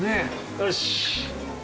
よし！